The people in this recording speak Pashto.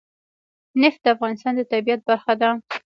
نفت د افغانستان د طبیعت برخه ده.